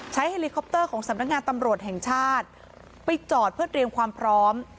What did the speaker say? เฮลิคอปเตอร์ของสำนักงานตำรวจแห่งชาติไปจอดเพื่อเตรียมความพร้อม